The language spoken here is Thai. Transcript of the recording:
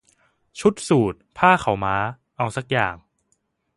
ชุดสูท ผ้าขาวม้า เอาซักอย่าง